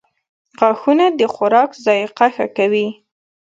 • غاښونه د خوراک ذایقه ښه کوي.